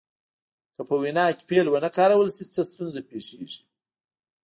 که په وینا کې فعل ونه کارول شي څه ستونزه پیښیږي.